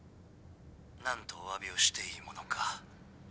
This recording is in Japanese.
何とおわびをしていいものか。